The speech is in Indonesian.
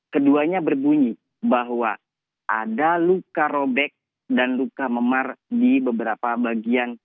keduanya berbunyi bahwa ada luka robek dan luka memar di beberapa bagian